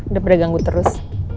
daripada ganggu terus